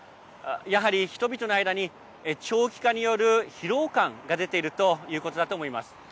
やはり、人々の間に長期化による疲労感が出ているということだと思います。